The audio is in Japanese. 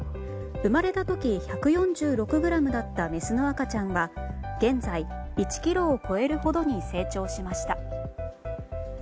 生まれた時１４６ｇだったメスの赤ちゃんは現在、１ｋｇを超えるほどに成長しました。